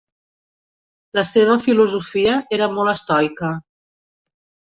La seva filosofia era molt estoica.